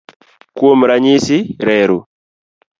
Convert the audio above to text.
Kuom ranyisi, reru.